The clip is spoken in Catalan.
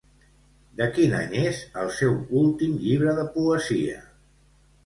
De quin any és el seu últim llibre de poesia?